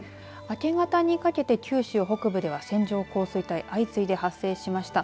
明け方にかけて九州北部では線状降水帯相次いで発生しました。